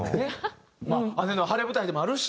まあ姉の晴れ舞台でもあるし。